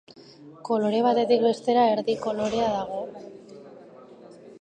Kolore batetik bestera erdi kolorea dago.